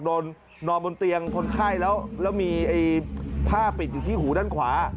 นอนบนเตียงคนไข้แล้วมีผ้าปิดอยู่ที่หูด้านขวา